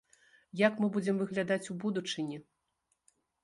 Як мы будзем выглядаць у будучыні?